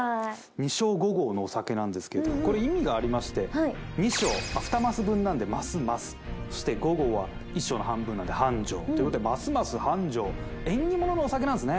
２升５合のお酒なんですけどこれ意味がありまして２升ふた升分なんで「ますます」そして５合は１升の半分なんで「はんじょう」ということで「益々繁盛」縁起物のお酒なんですね